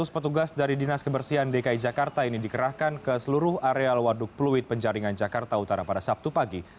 lima ratus petugas dari dinas kebersihan dki jakarta ini dikerahkan ke seluruh areal waduk pluit penjaringan jakarta utara pada sabtu pagi